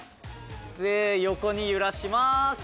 で横に揺らします。